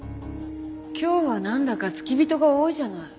今日はなんだか付き人が多いじゃない。